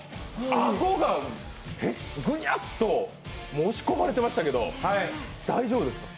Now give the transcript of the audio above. アゴがぐにゃっと押し込まれてましたけど大丈夫ですか？